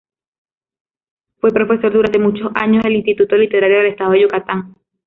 Fue profesor durante muchos años del Instituto Literario del estado de Yucatán.